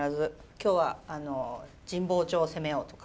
今日は神保町を攻めようとか。